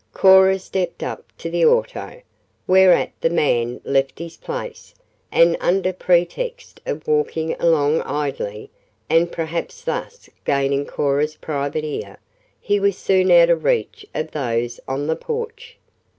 Cora stepped up to the auto, whereat the man left his place, and, under pretext of walking along idly, and perhaps thus gaining Cora's "private ear," he was soon out of reach of those on the porch.